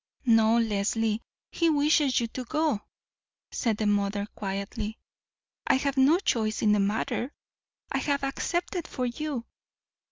"No, Leslie; he wishes you to go," said the mother quietly. "I have no choice in the matter. I have accepted for you.